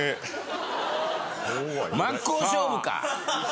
真っ向勝負か。